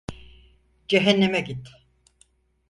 Cehenneme git.